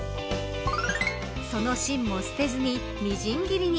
その芯も捨てずにみじん切りに。